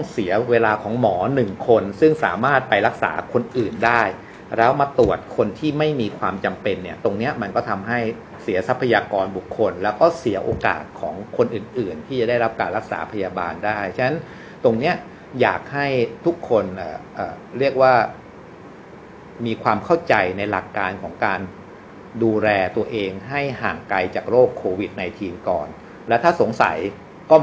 เสียเวลาของหมอหนึ่งคนซึ่งสามารถไปรักษาคนอื่นได้แล้วมาตรวจคนที่ไม่มีความจำเป็นเนี่ยตรงเนี้ยมันก็ทำให้เสียทรัพยากรบุคคลแล้วก็เสียโอกาสของคนอื่นอื่นที่จะได้รับการรักษาพยาบาลได้ฉะนั้นตรงเนี้ยอยากให้ทุกคนเรียกว่ามีความเข้าใจในหลักการของการดูแลตัวเองให้ห่างไกลจากโรคโควิด๑๙ก่อนและถ้าสงสัยก็